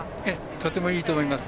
とてもいいと思います。